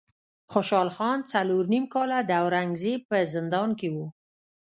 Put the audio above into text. خوشحال خان څلور نیم کاله د اورنګ زیب په زندان کې و.